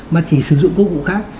mà chỉ sử dụng công cụ khác